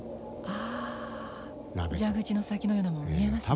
ああ蛇口の先のようなもの見えますね。